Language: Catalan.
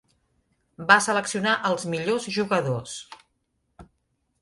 Va seleccionar els millors jugadors.